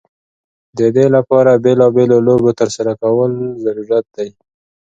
د دې لپاره بیلا بېلو لوبو ترسره کول ضرورت دی.